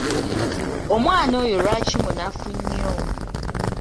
Omwana oyo lwaki munafu nnyo?